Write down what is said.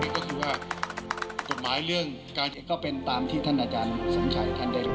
กฎหมายเรื่องการก็เป็นตามที่ท่านอาจารย์สังใชะ